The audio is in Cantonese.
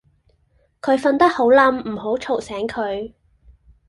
佢瞓得好稔唔好嘈醒佢